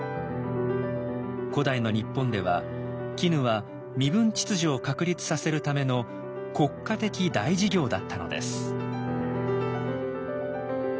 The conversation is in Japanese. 古代の日本では絹は身分秩序を確立させるための国家的大事業だったのです。